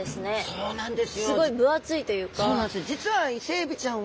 そうなんです！